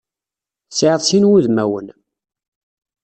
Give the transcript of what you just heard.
Tesɛiḍ sin n wudemawen.